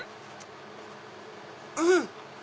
うん！